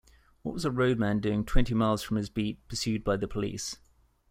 What was a roadman doing twenty miles from his beat, pursued by the police?